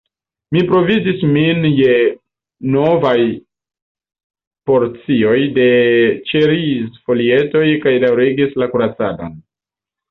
Mi provizis min je novaj porcioj de ĉeriz-folietoj kaj daŭrigis la kuracadon.